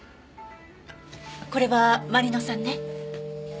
これはまり乃さんね。